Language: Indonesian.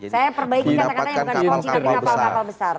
saya perbaiki kata katanya bukan dikunci tapi dapat kapal besar